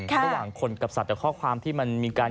ระหว่างคนกับสัตว์แต่ข้อความที่มันมีการ